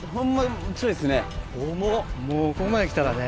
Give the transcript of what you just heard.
もうここまできたらね